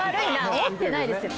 思ってないですよ。